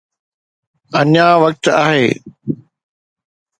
اڃا وقت آهي.